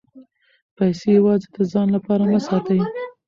پیسې یوازې د ځان لپاره مه ساتئ.